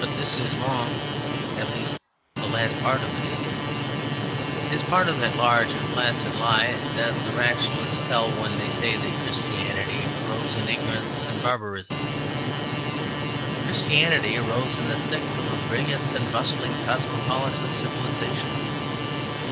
But this is wrong; at least, the last part of it is. It is part of that large and placid lie that the rationalists tell when they say that Christianity arose in ignorance and barbarism. Christianity arose in the thick of a brilliant and bustling cosmopolitan civilization.